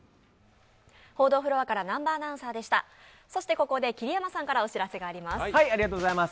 ここで桐山さんからお知らせがあります。